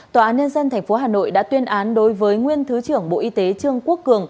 tòa an ninh dân tp hcm đã tuyên án đối với nguyên thứ trưởng bộ y tế trương quốc cường